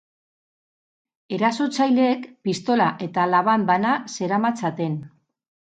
Erasotzaileek pistola eta laban bana zeramatzaten.